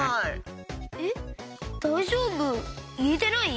えっ「だいじょうぶ？」いえてない？